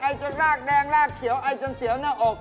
จนลากแดงลากเขียวไอจนเสียวหน้าอก